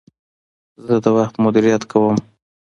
زه د وخت مدیریت کوم.